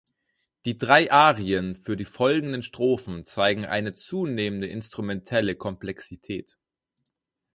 Die drei Arien für die folgenden Strophen zeigen eine zunehmende instrumentelle Komplexität.